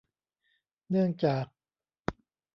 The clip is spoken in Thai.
เนื่องจาก